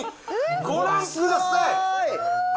ご覧ください！